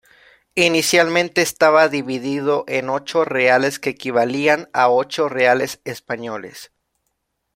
Inicialmente estaba dividido en ocho reales que equivalían a ocho reales españoles.